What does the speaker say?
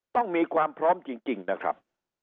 ต้องมีความพร้อมจริงนะครับ